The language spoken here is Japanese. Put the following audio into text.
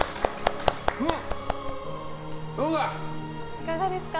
いかがですか？